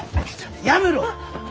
やめろ！